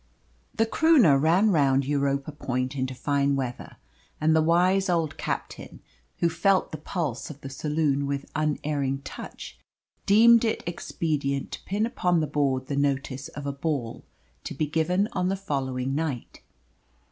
The Croonah ran round Europa Point into fine weather, and the wise old captain who felt the pulse of the saloon with unerring touch deemed it expedient to pin upon the board the notice of a ball to be given on the following night.